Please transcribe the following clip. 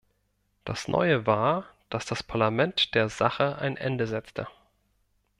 Das Neue war, dass das Parlament der Sache ein Ende setzte.